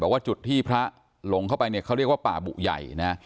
ว่าจุดที่พระหลงเข้าไปเนี่ยเขาเรียกว่าป่าบุใหญ่นะ